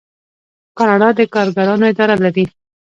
کاناډا د کارګرانو اداره لري.